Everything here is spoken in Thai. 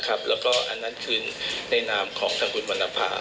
อันนั้นคืนในนามของทางคุณวรรณภา